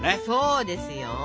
そうですよ。